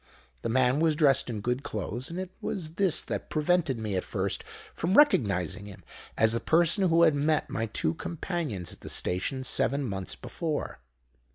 The man was dressed in good clothes; and it was this that prevented me at first from recognising him as the person who had met my two companions at the station seven months before.